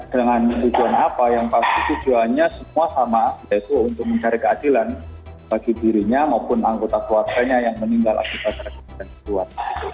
dengan tujuan apa yang pasti tujuannya semua sama yaitu untuk mencari keadilan bagi dirinya maupun anggota keluarganya yang meninggal akibat terkena